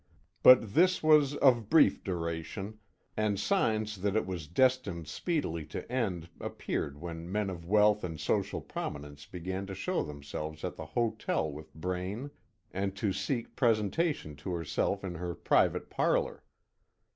But this was of brief duration, and signs that it was destined speedily to end appeared when men of wealth and social prominence began to show themselves at the hotel with Braine, and to seek presentation to herself in her private parlor.